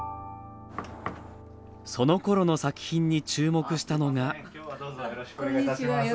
そのころの作品に注目したのが。